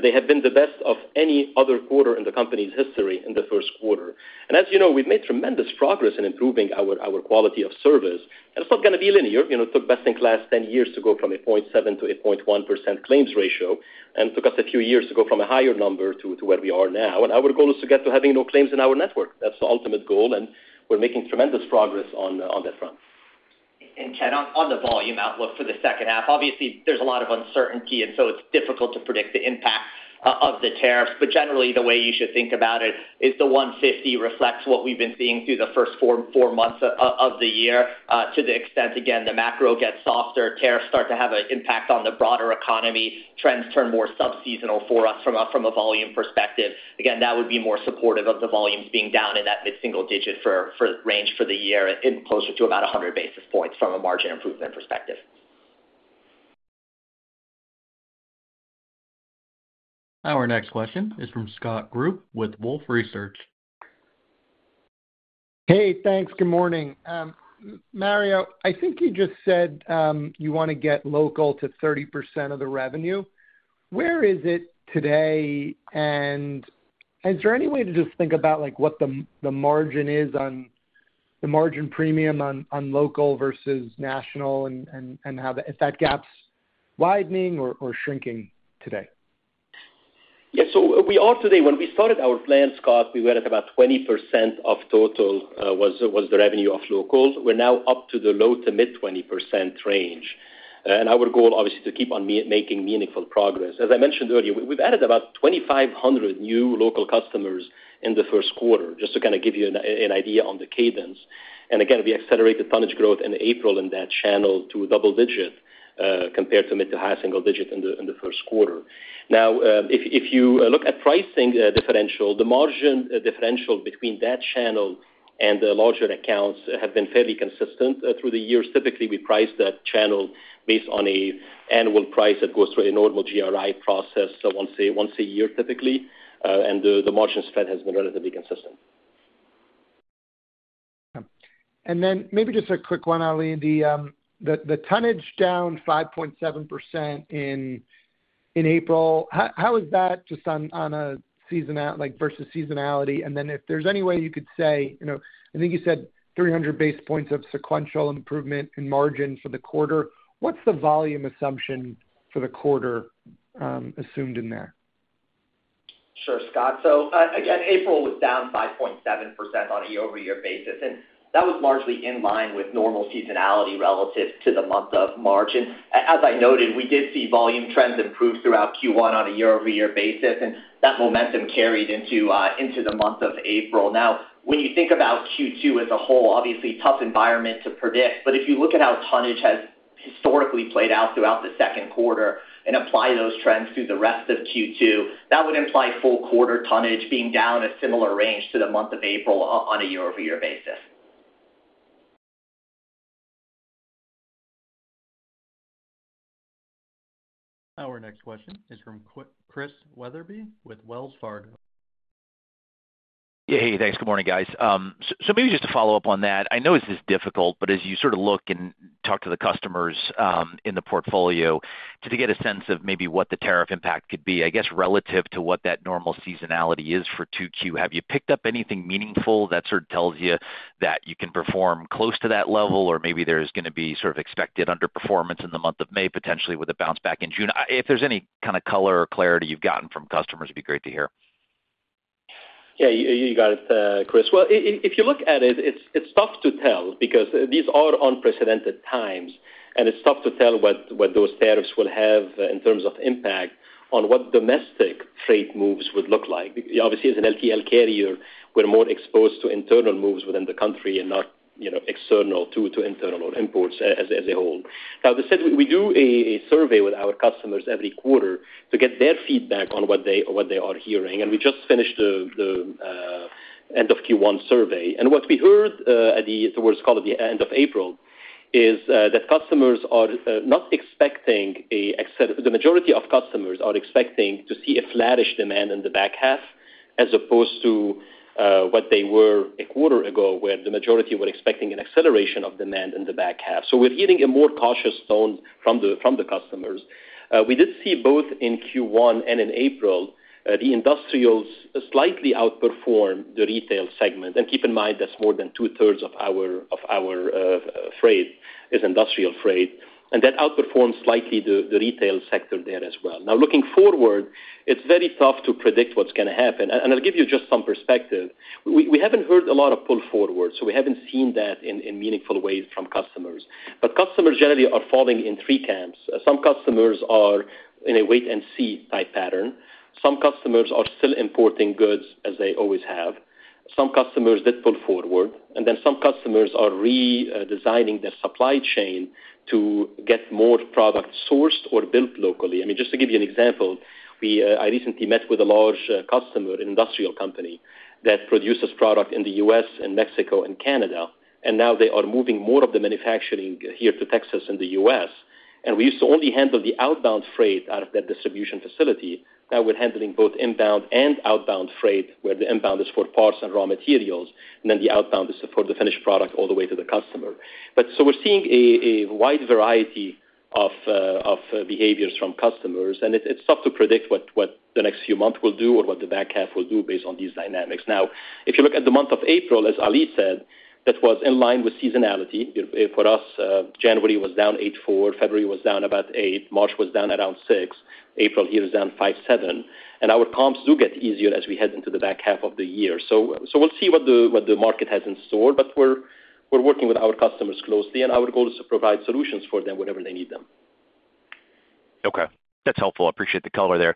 They have been the best of any other quarter in the company's history in the first quarter. As you know, we've made tremendous progress in improving our quality of service. It's not going to be linear. It took best in class 10 years to go from a 0.7%-0.1% claims ratio, and it took us a few years to go from a higher number to where we are now. Our goal is to get to having no claims in our network. That is the ultimate goal, and we are making tremendous progress on that front. Ken, on the volume outlook for the second half, obviously, there is a lot of uncertainty, and it is difficult to predict the impact of the tariffs. Generally, the way you should think about it is the 150 reflects what we have been seeing through the first four months of the year. To the extent, again, the macro gets softer, tariffs start to have an impact on the broader economy, trends turn more sub-seasonal for us from a volume perspective. Again, that would be more supportive of the volumes being down in that mid-single digit range for the year and closer to about 100 basis points from a margin improvement perspective. Our next question is from Scott Group with Wolfe Research. Hey, thanks. Good morning. Mario, I think you just said you want to get local to 30% of the revenue. Where is it today, and is there any way to just think about what the margin is on the margin premium on local versus national and if that gap's widening or shrinking today? Yeah. We are today, when we started our plan, Scott, we were at about 20% of total was the revenue of local. We are now up to the low to mid-20% range. Our goal, obviously, is to keep on making meaningful progress. As I mentioned earlier, we have added about 2,500 new local customers in the first quarter, just to kind of give you an idea on the cadence. Again, we accelerated tonnage growth in April in that channel to a double digit compared to mid to high single digit in the first quarter. If you look at pricing differential, the margin differential between that channel and the larger accounts has been fairly consistent through the years. Typically, we price that channel based on an annual price that goes through a normal GRI process once a year typically, and the margin spread has been relatively consistent. Maybe just a quick one, Ali, the tonnage down 5.7% in April, how is that just on a versus seasonality? If there's any way you could say, I think you said 300 basis points of sequential improvement in margin for the quarter, what's the volume assumption for the quarter assumed in there? Sure, Scott. Again, April was down 5.7% on a year-over-year basis, and that was largely in line with normal seasonality relative to the month of March. As I noted, we did see volume trends improve throughout Q1 on a year-over-year basis, and that momentum carried into the month of April. Now, when you think about Q2 as a whole, obviously, tough environment to predict. If you look at how tonnage has historically played out throughout the second quarter and apply those trends to the rest of Q2, that would imply full quarter tonnage being down a similar range to the month of April on a year-over-year basis. Our next question is from Chris Wetherbee with Wells Fargo. Yeah, hey, thanks. Good morning, guys. Maybe just to follow up on that, I know this is difficult, but as you sort of look and talk to the customers in the portfolio to get a sense of maybe what the tariff impact could be, I guess relative to what that normal seasonality is for Q2, have you picked up anything meaningful that sort of tells you that you can perform close to that level, or maybe there's going to be sort of expected underperformance in the month of May, potentially with a bounce back in June? If there's any kind of color or clarity you've gotten from customers, it'd be great to hear. Yeah, you got it, Chris. If you look at it, it's tough to tell because these are unprecedented times, and it's tough to tell what those tariffs will have in terms of impact on what domestic freight moves would look like. Obviously, as an LTL carrier, we're more exposed to internal moves within the country and not external to internal or imports as a whole. Now, we do a survey with our customers every quarter to get their feedback on what they are hearing, and we just finished the end of Q1 survey. What we heard towards the end of April is that customers are not expecting a the majority of customers are expecting to see a flattish demand in the back half as opposed to what they were a quarter ago, where the majority were expecting an acceleration of demand in the back half. We're hearing a more cautious tone from the customers. We did see both in Q1 and in April, the industrials slightly outperform the retail segment. Keep in mind, that's more than two-thirds of our freight is industrial freight. That outperforms slightly the retail sector there as well. Now, looking forward, it's very tough to predict what's going to happen. I'll give you just some perspective. We haven't heard a lot of pull forward, so we haven't seen that in meaningful ways from customers. Customers generally are falling in three camps. Some customers are in a wait-and-see type pattern. Some customers are still importing goods as they always have. Some customers did pull forward, and then some customers are redesigning their supply chain to get more product sourced or built locally. I mean, just to give you an example, I recently met with a large customer, an industrial company that produces product in the U.S. and Mexico and Canada, and now they are moving more of the manufacturing here to Texas in the U.S. We used to only handle the outbound freight out of that distribution facility. Now we're handling both inbound and outbound freight, where the inbound is for parts and raw materials, and then the outbound is for the finished product all the way to the customer. We're seeing a wide variety of behaviors from customers, and it's tough to predict what the next few months will do or what the back half will do based on these dynamics. Now, if you look at the month of April, as Ali said, that was in line with seasonality. For us, January was down 8.4%, February was down about 8%, March was down around 6%, April here is down 5.7%. Our comps do get easier as we head into the back half of the year. We will see what the market has in store, but we are working with our customers closely, and our goal is to provide solutions for them whenever they need them. Okay. That's helpful. I appreciate the color there.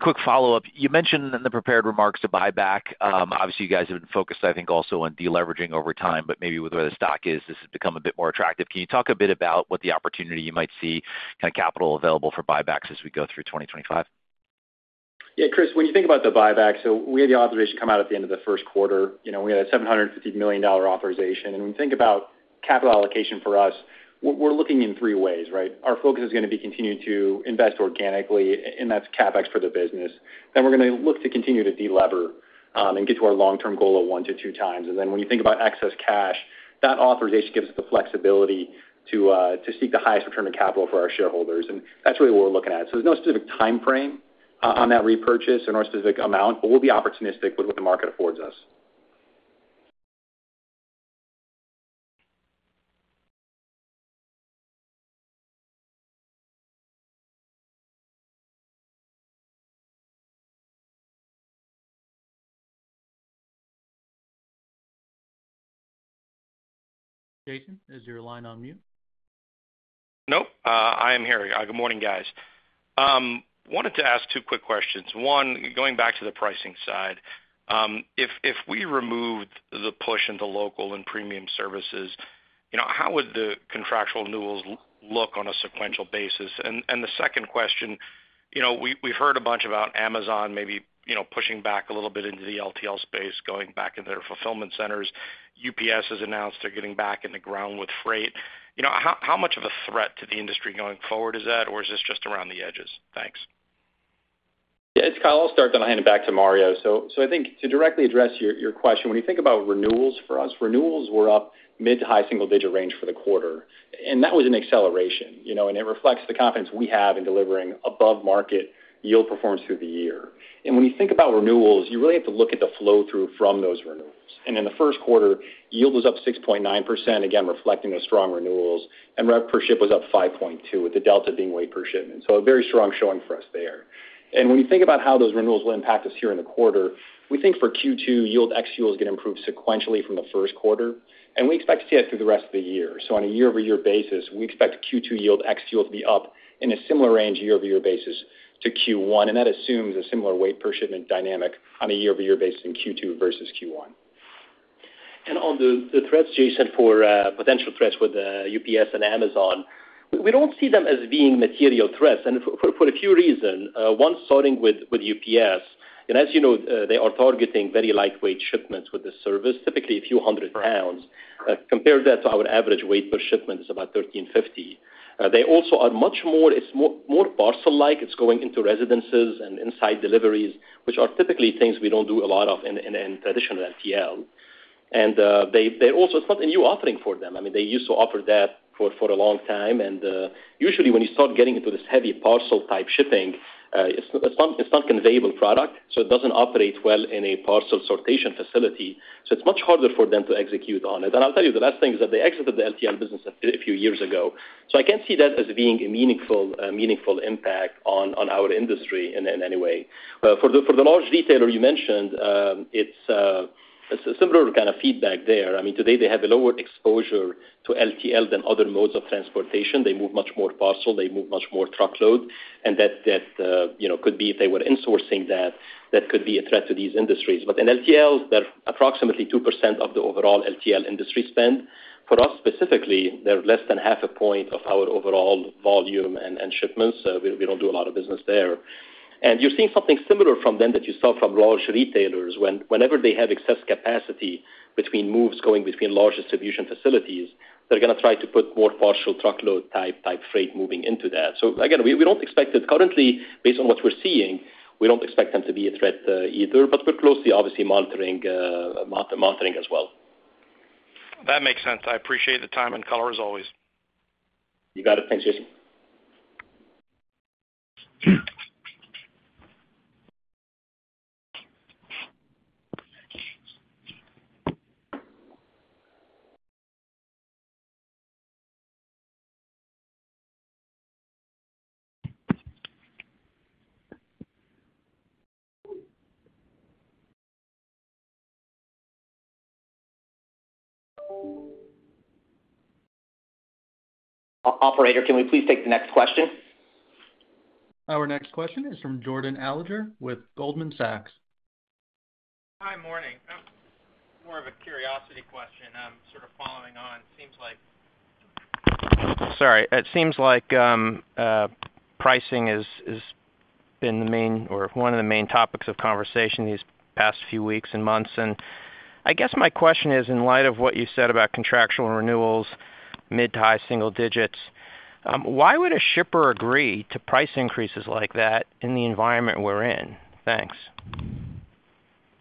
Quick follow-up. You mentioned in the prepared remarks to buy back. Obviously, you guys have been focused, I think, also on deleveraging over time, but maybe with where the stock is, this has become a bit more attractive. Can you talk a bit about what the opportunity you might see, kind of capital available for buybacks as we go through 2025? Yeah, Chris, when you think about the buyback, we had the authorization come out at the end of the first quarter. We had a $750 million authorization. When you think about capital allocation for us, we're looking in three ways, right? Our focus is going to be continuing to invest organically, and that's CapEx for the business. We are going to look to continue to de-lever and get to our long-term goal of one to two times. When you think about excess cash, that authorization gives us the flexibility to seek the highest return of capital for our shareholders. That's really what we're looking at. There is no specific timeframe on that repurchase or no specific amount, but we'll be opportunistic with what the market affords us. Jason, is your line on mute? Nope. I am here. Good morning, guys. Wanted to ask two quick questions. One, going back to the pricing side, if we removed the push into local and premium services, how would the contractual renewals look on a sequential basis? The second question, we've heard a bunch about Amazon maybe pushing back a little bit into the LTL space, going back into their fulfillment centers. UPS has announced they're getting back in the Ground with Freight. How much of a threat to the industry going forward is that, or is this just around the edges? Thanks. Yeah, it's Kyle. I'll start then I'll hand it back to Mario. I think to directly address your question, when you think about renewals for us, renewals were up mid to high single digit range for the quarter, and that was an acceleration. It reflects the confidence we have in delivering above-market yield performance through the year. When you think about renewals, you really have to look at the flow-through from those renewals. In the first quarter, yield was up 6.9%, again, reflecting those strong renewals. Rev per shipment was up 5.2, with the delta being weight per shipment. A very strong showing for us there. When you think about how those renewals will impact us here in the quarter, we think for Q2, yield ex-fuel is going to improve sequentially from the first quarter, and we expect to see that through the rest of the year. On a year-over-year basis, we expect Q2 yield ex-fuel to be up in a similar range year-over-year basis to Q1. That assumes a similar weight per shipment dynamic on a year-over-year basis in Q2 versus Q1. On the threats, Jason, for potential threats with UPS and Amazon, we do not see them as being material threats. For a few reasons. One, starting with UPS, as you know, they are targeting very lightweight shipments with the service, typically a few hundred pounds. Compare that to our average weight per shipment, it is about 1,350. They also are much more, it is more parcel-like. It is going into residences and inside deliveries, which are typically things we do not do a lot of in traditional LTL. It is not a new offering for them. I mean, they used to offer that for a long time. Usually, when you start getting into this heavy parcel-type shipping, it is not a conveyable product, so it does not operate well in a parcel sortation facility. It is much harder for them to execute on it. I'll tell you, the last thing is that they exited the LTL business a few years ago. I can't see that as being a meaningful impact on our industry in any way. For the large retailer you mentioned, it's a similar kind of feedback there. I mean, today, they have a lower exposure to LTL than other modes of transportation. They move much more parcel. They move much more truckload. That could be, if they were insourcing that, that could be a threat to these industries. In LTLs, they're approximately 2% of the overall LTL industry spend. For us specifically, they're less than half a point of our overall volume and shipments, so we don't do a lot of business there. You're seeing something similar from them that you saw from large retailers. Whenever they have excess capacity between moves going between large distribution facilities, they're going to try to put more partial truckload-type freight moving into that. Again, we don't expect it. Currently, based on what we're seeing, we don't expect them to be a threat either, but we're closely, obviously, monitoring as well. That makes sense. I appreciate the time and color as always. You got it. Thanks, Jason. Operator, can we please take the next question? Our next question is from Jordan Alliger with Goldman Sachs. Hi, morning. More of a curiosity question. I'm sort of following on. It seems like... Sorry. It seems like pricing has been the main or one of the main topics of conversation these past few weeks and months. I guess my question is, in light of what you said about contractual renewals, mid to high single digits, why would a shipper agree to price increases like that in the environment we're in? Thanks.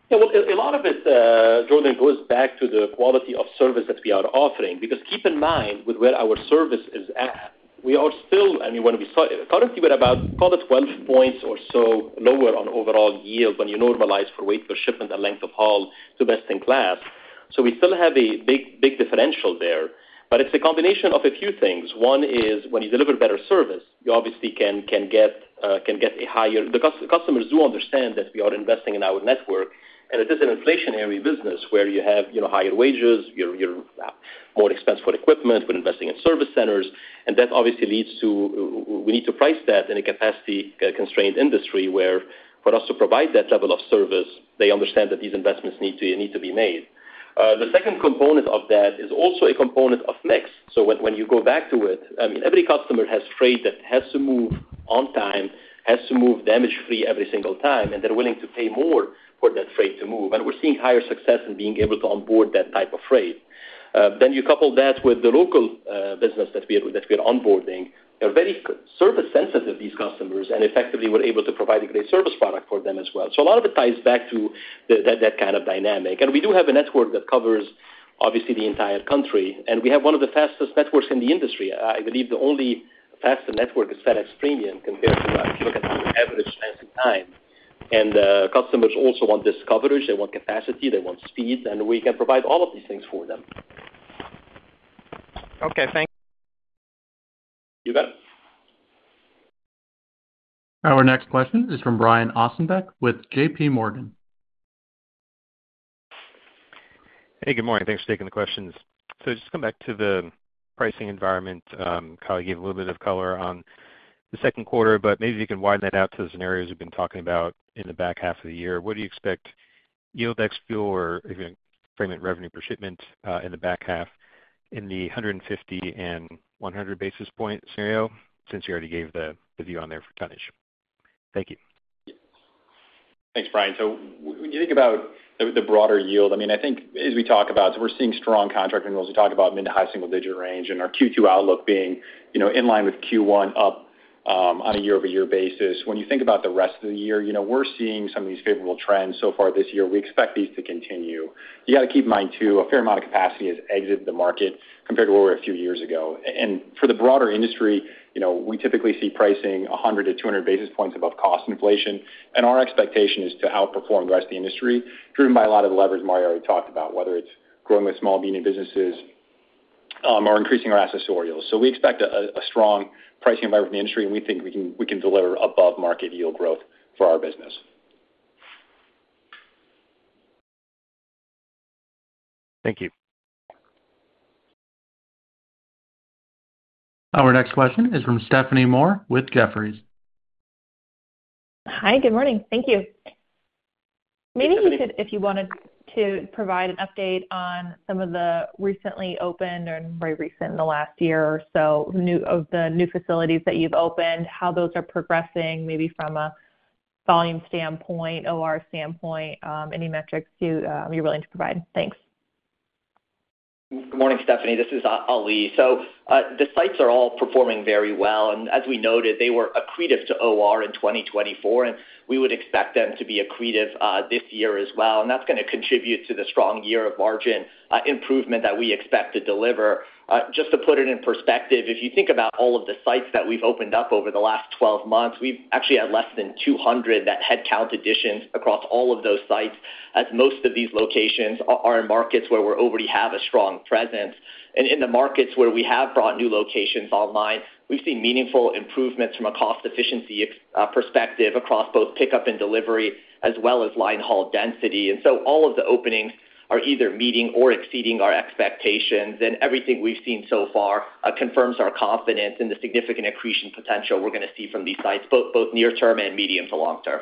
Yeah, a lot of it, Jordan, goes back to the quality of service that we are offering. Because keep in mind, with where our service is at, we are still—I mean, when we started, currently, we're about, call it, 12 points or so lower on overall yield when you normalize for weight per shipment and length of haul to best in class. So we still have a big differential there. It is a combination of a few things. One is, when you deliver better service, you obviously can get a higher—the customers do understand that we are investing in our network, and it is an inflationary business where you have higher wages, you're more expensive for equipment, we're investing in service centers. That obviously leads to—we need to price that in a capacity-constrained industry where for us to provide that level of service, they understand that these investments need to be made. The second component of that is also a component of mix. When you go back to it, I mean, every customer has freight that has to move on time, has to move damage-free every single time, and they're willing to pay more for that freight to move. We're seeing higher success in being able to onboard that type of freight. You couple that with the local business that we are onboarding, they're very service-sensitive, these customers, and effectively, we're able to provide a great service product for them as well. A lot of it ties back to that kind of dynamic. We do have a network that covers, obviously, the entire country, and we have one of the fastest networks in the industry. I believe the only faster network is FedEx Premium compared to us. If you look at average length of time, and customers also want this coverage, they want capacity, they want speed, and we can provide all of these things for them. Okay. Thanks. You got it. Our next question is from Brian Ossenbeck with JPMorgan. Hey, good morning. Thanks for taking the questions. Just to come back to the pricing environment, Kyle gave a little bit of color on the second quarter, but maybe if you can widen that out to the scenarios we've been talking about in the back half of the year, what do you expect yield ex-fuel or, if you're going to frame it, revenue per shipment in the back half in the 150 and 100 basis point scenario, since you already gave the view on there for tonnage? Thank you. Thanks, Brian. When you think about the broader yield, I mean, I think as we talk about, we are seeing strong contract renewals. We talk about mid to high single digit range, and our Q2 outlook being in line with Q1 up on a year-over-year basis. When you think about the rest of the year, we are seeing some of these favorable trends so far this year. We expect these to continue. You got to keep in mind, too, a fair amount of capacity has exited the market compared to where we were a few years ago. For the broader industry, we typically see pricing 100-200 basis points above cost inflation. Our expectation is to outperform the rest of the industry, driven by a lot of the levers Mario already talked about, whether it is growing with small, medium businesses or increasing our accessorials. We expect a strong pricing environment in the industry, and we think we can deliver above-market yield growth for our business. Thank you. Our next question is from Stephanie Moore with Jefferies. Hi, good morning. Thank you. Maybe you could, if you wanted to, provide an update on some of the recently opened or very recent in the last year or so of the new facilities that you've opened, how those are progressing, maybe from a volume standpoint, OR standpoint, any metrics you're willing to provide. Thanks. Good morning, Stephanie. This is Ali. The sites are all performing very well. As we noted, they were accretive to OR in 2024, and we would expect them to be accretive this year as well. That is going to contribute to the strong year of margin improvement that we expect to deliver. Just to put it in perspective, if you think about all of the sites that we have opened up over the last 12 months, we have actually had less than 200 headcount additions across all of those sites, as most of these locations are in markets where we already have a strong presence. In the markets where we have brought new locations online, we have seen meaningful improvements from a cost-efficiency perspective across both pickup and delivery as well as linehaul density. All of the openings are either meeting or exceeding our expectations. Everything we've seen so far confirms our confidence in the significant accretion potential we're going to see from these sites, both near-term and medium to long-term.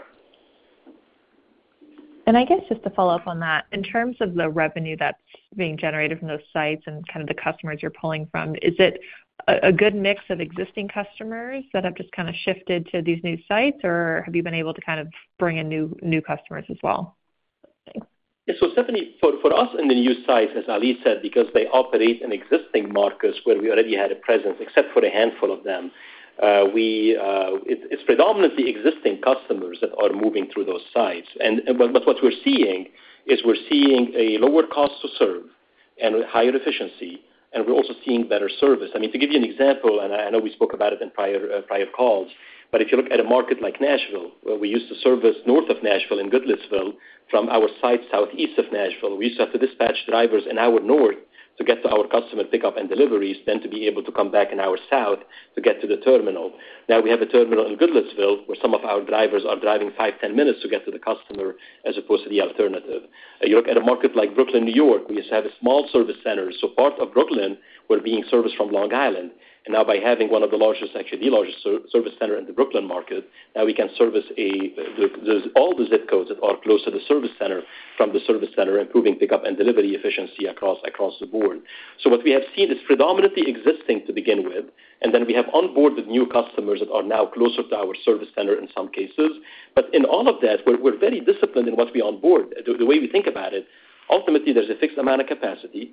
I guess just to follow up on that, in terms of the revenue that's being generated from those sites and kind of the customers you're pulling from, is it a good mix of existing customers that have just kind of shifted to these new sites, or have you been able to kind of bring in new customers as well? Yeah. Stephanie, for us in the new sites, as Ali said, because they operate in existing markets where we already had a presence, except for a handful of them, it's predominantly existing customers that are moving through those sites. What we're seeing is we're seeing a lower cost to serve and higher efficiency, and we're also seeing better service. I mean, to give you an example, and I know we spoke about it in prior calls, if you look at a market like Nashville, where we used to service north of Nashville in Goodlettsville from our site southeast of Nashville, we used to have to dispatch drivers an hour north to get to our customer pickup and deliveries, then to be able to come back an hour south to get to the terminal. Now we have a terminal in Goodlettsville where some of our drivers are driving five, ten minutes to get to the customer as opposed to the alternative. You look at a market like Brooklyn, New York, we used to have a small service center. Part of Brooklyn were being serviced from Long Island. Now, by having one of the largest, actually the largest service center in the Brooklyn market, now we can service all the ZIP codes that are close to the service center from the service center, improving pickup and delivery efficiency across the board. What we have seen is predominantly existing to begin with, and then we have onboarded new customers that are now closer to our service center in some cases. In all of that, we're very disciplined in what we onboard. The way we think about it, ultimately, there's a fixed amount of capacity.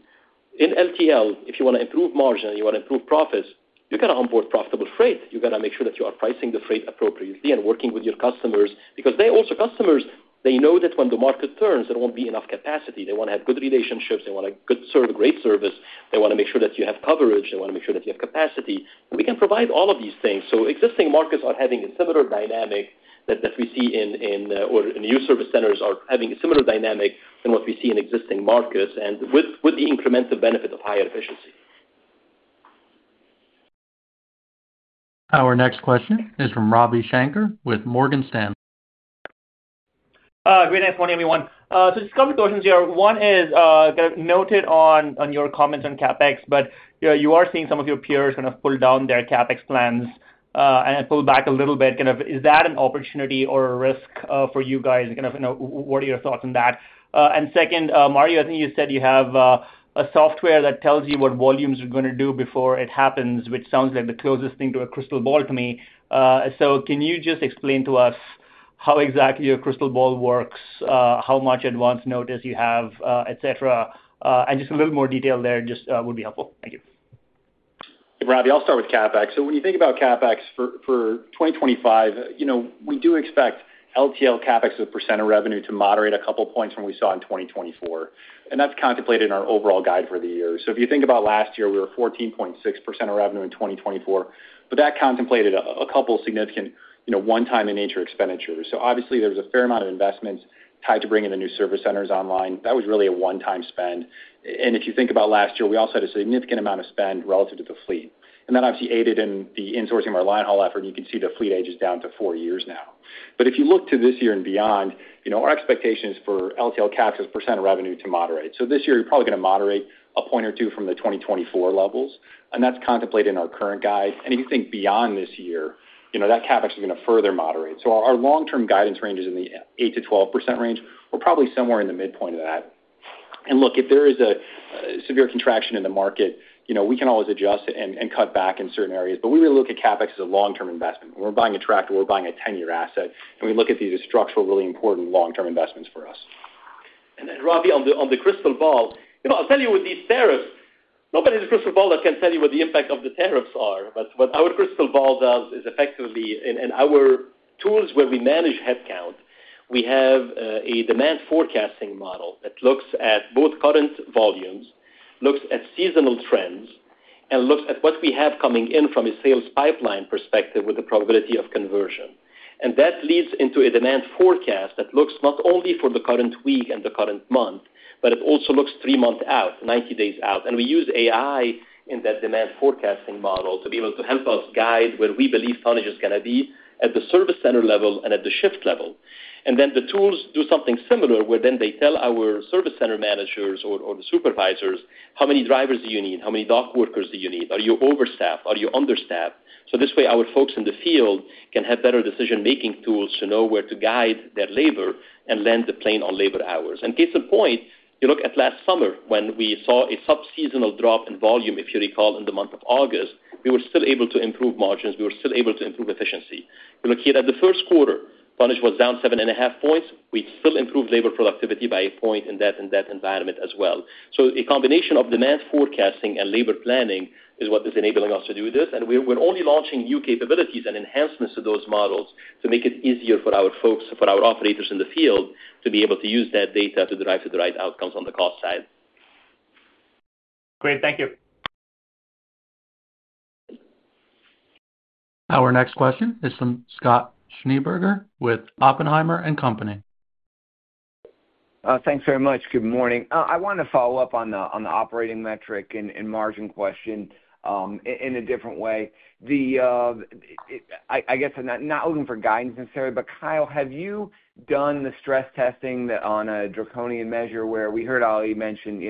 In LTL, if you want to improve margin, you want to improve profits, you got to onboard profitable freight. You got to make sure that you are pricing the freight appropriately and working with your customers. Because they also, customers, they know that when the market turns, there won't be enough capacity. They want to have good relationships. They want to serve a great service. They want to make sure that you have coverage. They want to make sure that you have capacity. We can provide all of these things. Existing markets are having a similar dynamic that we see in, or new service centers are having a similar dynamic than what we see in existing markets, and with the incremental benefit of higher efficiency. Our next question is from Ravi Shanker with Morgan Stanley. Great night, morning, everyone. Just a couple of questions here. One is kind of noted on your comments on CapEx, but you are seeing some of your peers kind of pull down their CapEx plans and pull back a little bit. Kind of is that an opportunity or a risk for you guys? What are your thoughts on that? Second, Mario, I think you said you have a software that tells you what volumes are going to do before it happens, which sounds like the closest thing to a crystal ball to me. Can you just explain to us how exactly your crystal ball works, how much advance notice you have, etc.? A little more detail there just would be helpful. Thank you. Hey, Ravi, I'll start with CapEx. When you think about CapEx for 2025, we do expect LTL CapEx with percent of revenue to moderate a couple of points from what we saw in 2024. That's contemplated in our overall guide for the year. If you think about last year, we were 14.6% of revenue in 2024, but that contemplated a couple of significant one-time-in-nature expenditures. There was a fair amount of investments tied to bringing the new service centers online. That was really a one-time spend. If you think about last year, we also had a significant amount of spend relative to the fleet. That obviously aided in the insourcing of our linehaul effort. You can see the fleet age is down to four years now. If you look to this year and beyond, our expectation is for LTL CapEx as percent of revenue to moderate. This year, you're probably going to moderate a point or two from the 2024 levels. That is contemplated in our current guide. If you think beyond this year, that CapEx is going to further moderate. Our long-term guidance range is in the 8%-12% range. We're probably somewhere in the midpoint of that. If there is a severe contraction in the market, we can always adjust and cut back in certain areas. We really look at CapEx as a long-term investment. When we're buying a tractor, we're buying a 10-year asset. We look at these as structural, really important long-term investments for us. Ravi, on the crystal ball, I'll tell you with these tariffs, nobody has a crystal ball that can tell you what the impact of the tariffs are. What our crystal ball does is effectively, in our tools where we manage headcount, we have a demand forecasting model that looks at both current volumes, looks at seasonal trends, and looks at what we have coming in from a sales pipeline perspective with the probability of conversion. That leads into a demand forecast that looks not only for the current week and the current month, but it also looks three months out, 90 days out. We use AI in that demand forecasting model to be able to help us guide where we believe tonnage is going to be at the service center level and at the shift level. The tools do something similar where they tell our service center managers or the supervisors, "How many drivers do you need? How many dock workers do you need? Are you overstaffed? Are you understaffed?" This way, our folks in the field can have better decision-making tools to know where to guide their labor and land the plane on labor hours. Case in point, you look at last summer when we saw a subseasonal drop in volume, if you recall, in the month of August, we were still able to improve margins. We were still able to improve efficiency. You look here at the first quarter, tonnage was down 7.5 points. We still improved labor productivity by a point in that environment as well. A combination of demand forecasting and labor planning is what is enabling us to do this. We are only launching new capabilities and enhancements to those models to make it easier for our folks, for our operators in the field, to be able to use that data to drive to the right outcomes on the cost side. Great. Thank you. Our next question is from Scott Schneeberger with Oppenheimer & Company. Thanks very much. Good morning. I wanted to follow up on the operating metric and margin question in a different way. I guess I'm not looking for guidance necessarily, but Kyle, have you done the stress testing on a draconian measure where we heard Ali mention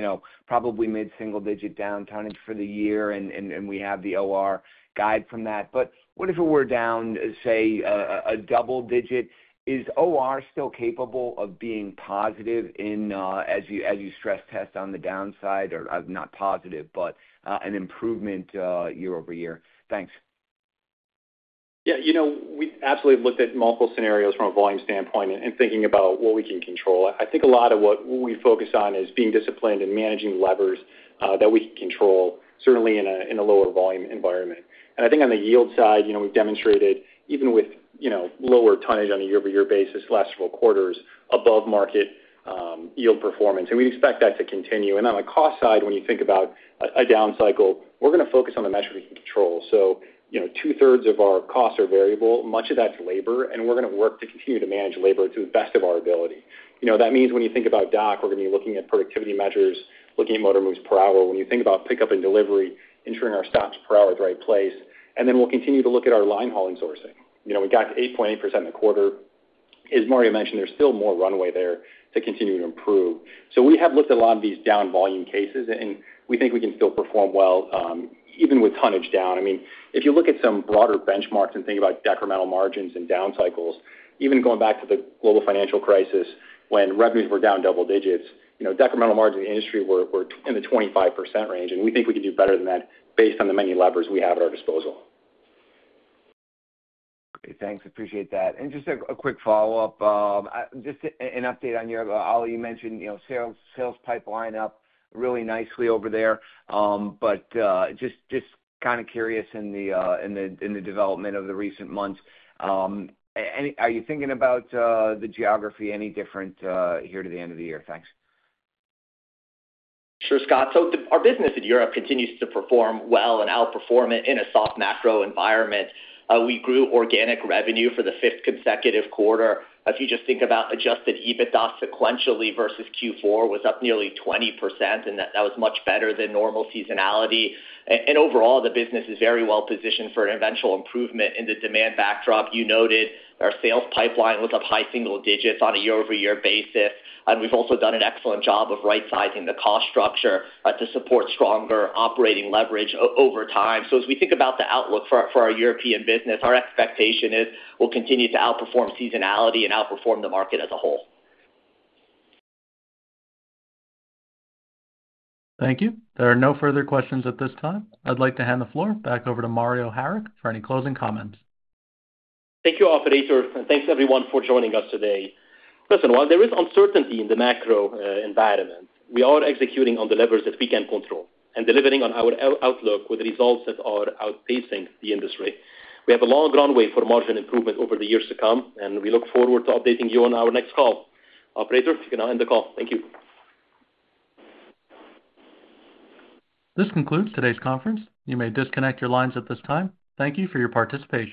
probably mid-single digit down tonnage for the year, and we have the OR guide from that? What if it were down, say, a double digit? Is OR still capable of being positive as you stress test on the downside or not positive, but an improvement year-over-year? Thanks. Yeah. We absolutely looked at multiple scenarios from a volume standpoint and thinking about what we can control. I think a lot of what we focus on is being disciplined and managing levers that we can control, certainly in a lower volume environment. I think on the yield side, we've demonstrated even with lower tonnage on a year-over-year basis, last several quarters, above-market yield performance. We expect that to continue. On the cost side, when you think about a down cycle, we're going to focus on the metric we can control. Two-thirds of our costs are variable. Much of that's labor. We're going to work to continue to manage labor to the best of our ability. That means when you think about dock, we're going to be looking at productivity measures, looking at dock moves per hour. When you think about pickup and delivery, ensuring our stops per hour are the right place. We will continue to look at our linehaul insourcing. We got to 8.8% in the quarter. As Mario mentioned, there is still more runway there to continue to improve. We have looked at a lot of these down volume cases, and we think we can still perform well even with tonnage down. I mean, if you look at some broader benchmarks and think about decremental margins and down cycles, even going back to the global financial crisis when revenues were down double digits, decremental margins in the industry were in the 25% range. We think we can do better than that based on the many levers we have at our disposal. Great. Thanks. Appreciate that. Just a quick follow-up, just an update on your, Ali, you mentioned sales pipeline up really nicely over there. Just kind of curious in the development of the recent months. Are you thinking about the geography any different here to the end of the year? Thanks. Sure, Scott. Our business in Europe continues to perform well and outperform it in a soft macro environment. We grew organic revenue for the fifth consecutive quarter. If you just think about adjusted EBITDA sequentially versus Q4, it was up nearly 20%. That was much better than normal seasonality. Overall, the business is very well positioned for an eventual improvement in the demand backdrop. You noted our sales pipeline was up high single digits on a year-over-year basis. We have also done an excellent job of right-sizing the cost structure to support stronger operating leverage over time. As we think about the outlook for our European business, our expectation is we will continue to outperform seasonality and outperform the market as a whole. Thank you. There are no further questions at this time. I'd like to hand the floor back over to Mario Harik for any closing comments. Thank you, Operator. Thank you, everyone, for joining us today. Listen, while there is uncertainty in the macro environment, we are executing on the levers that we can control and delivering on our outlook with results that are outpacing the industry. We have a long runway for margin improvement over the years to come. We look forward to updating you on our next call. Operator, you can now end the call. Thank you. This concludes today's conference. You may disconnect your lines at this time. Thank you for your participation.